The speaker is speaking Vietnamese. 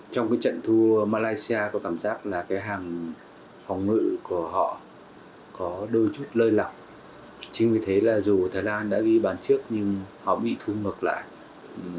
phong đội của thái lan đã ghi bàn trước nhưng họ bị thu ngược lại